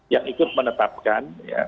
yang ikut menetapkan